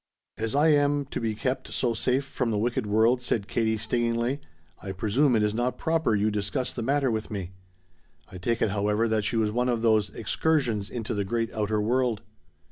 "As I am to be kept so safe from the wicked world," said Katie stingingly, "I presume it is not proper you discuss the matter with me. I take it, however, that she was one of those 'excursions' into the great outer world?"